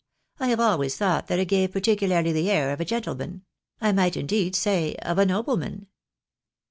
I have always thought that it gave particularly the air of a gentleman — I might, indeed, say of a nobleman."